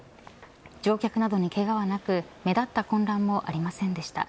乗客などにけがはなく目立った混乱もありませんでした。